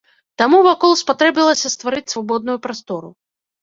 Таму вакол спатрэбілася стварыць свабодную прастору.